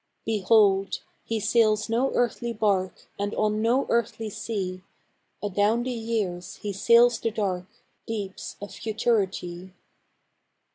Behold! he sails no earthly barque, And on no earthly sea Adown the years he sails the dark Deeps of futurity.